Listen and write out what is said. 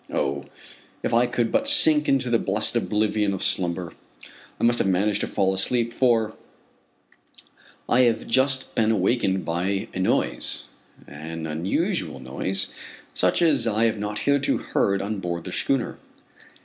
Oh! if I could but sink into the blessed oblivion of slumber! I must have managed to fall asleep, for I have just been awakened by a noise an unusual noise, such as I have not hitherto heard on board the schooner.